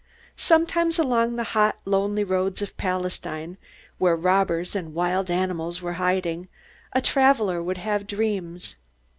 Sometimes along the hot, lonely roads of Palestine, where robbers and wild animals were hiding, a traveler would have dreams.